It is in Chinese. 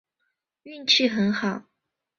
运气很好